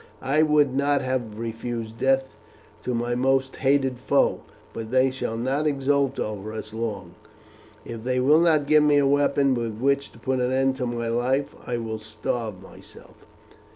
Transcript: I would not have refused death to my most hated foe; but they shall not exult over us long. If they will not give me a weapon with which to put an end to my life, I will starve myself."